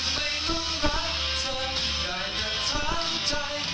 ไม่ต้องคิดถึงเธอให้สับสนในใจ